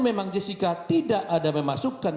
memang jessica tidak ada memasukkan